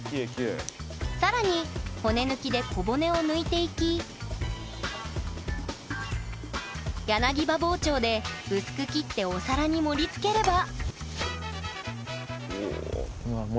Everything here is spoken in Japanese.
更に骨抜きで小骨を抜いていき柳刃包丁で薄く切ってお皿に盛りつければうお。